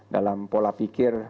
dalam pola pikir